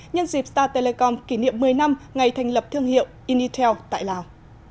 nhân dịp star telecom kỷ niệm một mươi năm ngày thành lập thương hiệu initel tại lào